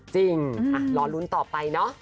จริงรอลุ้นต่อไปเนอะ